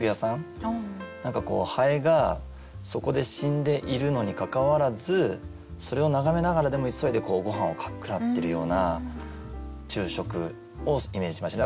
蝿がそこで死んでいるのにかかわらずそれを眺めながらでも急いでご飯をかっくらってるような昼食をイメージしました。